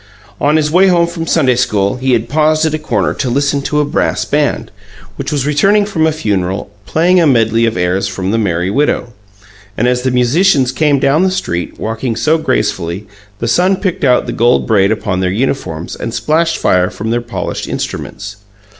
On his way home from Sunday school he had paused at a corner to listen to a brass band, which was returning from a funeral, playing a medley of airs from "The Merry Widow," and as the musicians came down the street, walking so gracefully, the sun picked out the gold braid upon their uniforms and splashed fire from their polished instruments.